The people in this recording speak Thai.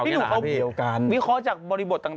หนุ่มเขาวิเคราะห์จากบริบทต่าง